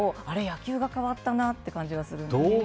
野球が変わったなって感じがするんですよね。